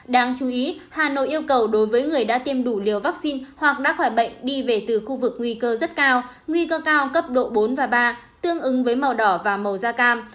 đáng chú ý hà nội yêu cầu đối với người đã tiêm đủ liều vaccine hoặc đã khỏi bệnh đi về từ khu vực nguy cơ rất cao nguy cơ cao cấp độ bốn và ba tương ứng với màu đỏ và màu da cam